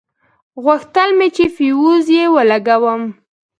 غوښتل مې چې فيوز يې ولګوم.